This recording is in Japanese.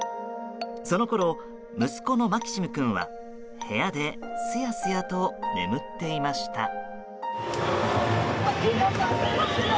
そのころ、息子のマキシム君は部屋ですやすやと眠っていました。